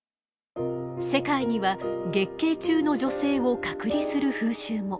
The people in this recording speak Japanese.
世界には月経中の女性を隔離する風習も。